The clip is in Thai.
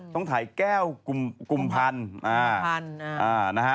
ต้องถ่ายแก้วกลุ่มพันธุ์นะฮะ